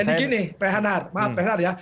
jadi gini pak henar maaf pak henar ya